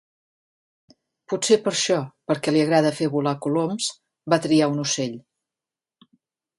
Potser per això, perquè li agrada fer volar coloms, va triar un ocell.